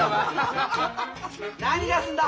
何出すんだ？